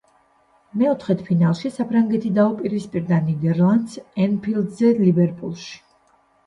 მეოთხედფინალში საფრანგეთი დაუპირისპირდა ნიდერლანდს ენფილდზე ლივერპულში.